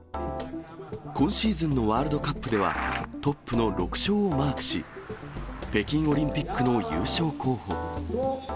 今シーズンのワールドカップではトップの６勝をマークし、北京オリンピックの優勝候補。